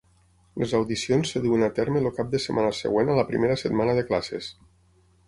Les audicions es duen a terme el cap de setmana següent a la primera setmana de classes.